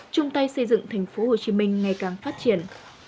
chung tay xây dựng tp hcm ngày càng phát triển